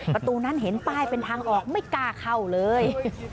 ประตูนั้นเห็นป้ายเป็นทางออกไม่กล้าเข้าเลย